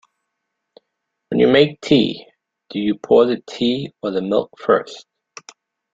When you make tea, do you pour the tea or the milk first?